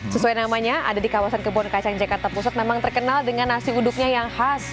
sesuai namanya ada di kawasan kebun kacang jakarta pusat memang terkenal dengan nasi uduknya yang khas